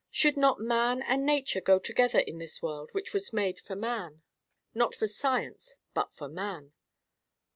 Should not man and nature go together in this world which was made for man—not for science, but for man?